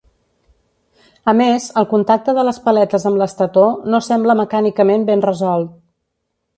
A més, el contacte de les paletes amb l'estator no sembla mecànicament ben resolt.